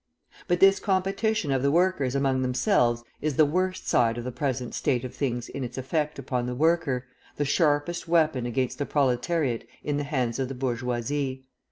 But this competition of the workers among themselves is the worst side of the present state of things in its effect upon the worker, the sharpest weapon against the proletariat in the hands of the bourgeoisie.